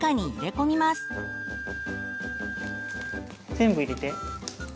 全部入れて。